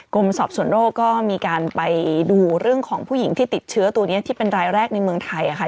กรมสอบส่วนโรคก็มีการไปดูเรื่องของผู้หญิงที่ติดเชื้อตัวนี้ที่เป็นรายแรกในเมืองไทยค่ะ